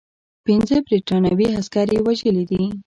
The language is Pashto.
پنځه برټانوي عسکر یې وژلي دي.